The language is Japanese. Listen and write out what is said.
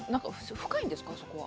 深いんですか、あそこは。